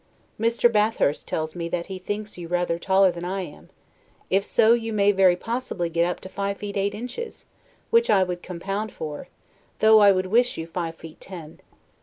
Mr. Bathurst tells me that he thinks you rather taller than I am; if so, you may very possibly get up to five feet eight inches, which I would compound for, though I would wish you five feet ten.